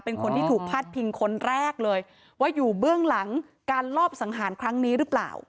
เป็นคนที่ถูกพาดพิงคนแรกเลยว่าอยู่เบื้องหลังการลอบสังหารครั้งนี้หรือเปล่า